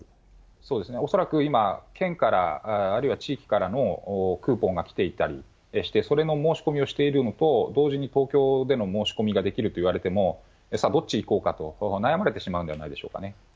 そうですね、恐らく今、県から、あるいは地域からのクーポンが来ていたりして、それの申し込みをしているのと、同時に東京での申し込みができると言われても、さあ、どっち行こうかと悩まれてしまうんではないですかね。